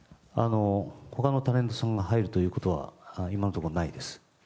他のタレントさんが入るということは今のところないです。